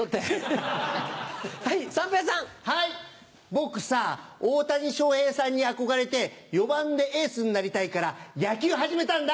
僕さ大谷翔平さんに憧れて４番でエースになりたいから野球始めたんだ！